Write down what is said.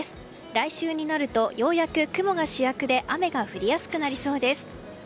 来週になるとようやく雲が主役で雨が降りやすくなりそうです。